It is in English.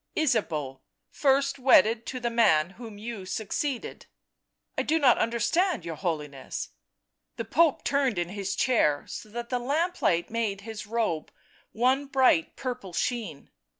il Ysabeau, first wedded to the man whom you succeeded." " I do not understand your Holiness." The Pope turned in his chair so that the lamplight made his robe one bright purple sheen.